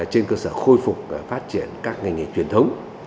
trên cơ sở khôi phục phát triển các ngành nghề truyền thống